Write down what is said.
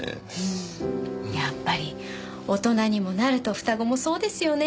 やっぱり大人にもなると双子もそうですよね。